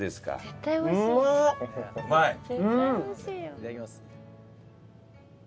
いただきます。